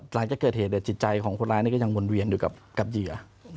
หลังจากเกิดเหตุจิตใจของคนร้ายนี่ก็ยังวนเวียนอยู่กับเหยื่อ